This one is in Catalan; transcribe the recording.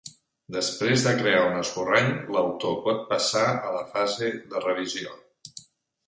Després de crear un esborrany, l'autor pot passar a la fase de revisió.